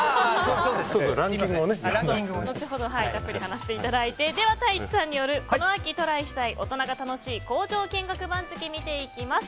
後ほどたっぷり話していただいてタイチさんによるこの秋トライしたい大人が楽しい工場見学番付を見ていきます。